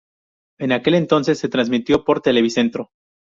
En aquel entonces se transmitió por Televicentro.